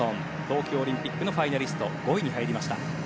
東京オリンピックのファイナリスト５位に入りました。